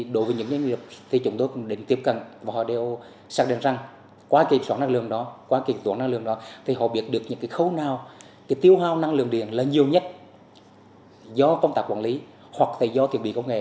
đối với những ngành nghiệp chúng tôi cũng định tiếp cận và họ đều xác định rằng quá kiểm soát năng lượng đó quá kiểm soát năng lượng đó thì họ biết được những khấu nào tiêu hào năng lượng điện là nhiều nhất do công tác quản lý hoặc do thiết bị công nghệ